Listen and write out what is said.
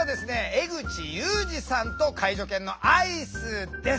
江口雄司さんと介助犬のアイスです。